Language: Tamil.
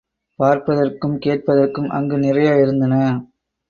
பார்ப்பதற்கும் கேட்பதற்கும் அங்கு நிறைய இருந்தன.